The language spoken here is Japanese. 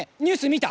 「見た」。